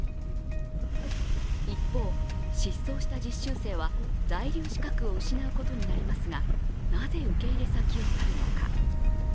一方、失踪した実習生は在留資格を失うことになりますが、なぜ受け入れ先を去るのか。